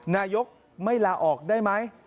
นายกไม่ลาออกได้ไหม